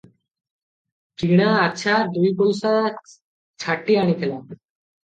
କିଣା ଆଚ୍ଛା ଦୁଇପଇସା ଛାଟି ଆଣିଥିଲା ।